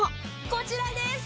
こちらです！